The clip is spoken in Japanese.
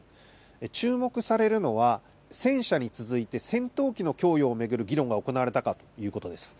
注目されるのは、戦車に続いて戦闘機の供与を巡る議論が行われたかということです。